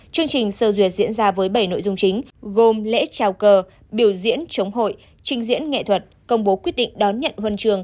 chương trình sơ duyệt diễn ra với bảy nội dung chính gồm lễ trào cờ biểu diễn chống hội trình diễn nghệ thuật công bố quyết định đón nhận huân trường